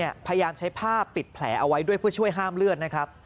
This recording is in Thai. พยายามใช้ผ้าปิดแผลเอาไว้ด้วยเพื่อช่วยห้ามเลือดนะครับ